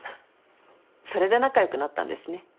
それで仲良くなったんですね。